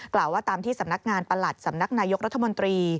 กล่าวว่าตามที่สำนักงานประหลัดสำนักนายกรัฐมนตรี